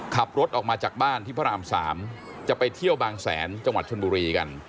ขับรถออกมาจากบ้านที่พระราม๓จะไปเที่ยวบางแสนจังหวัดชนบุรีกัน